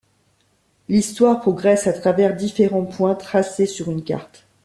L'histoire progresse à travers différents points tracés sur une carte.